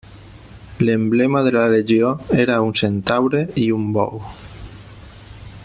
L'emblema de la legió era un centaure i un bou.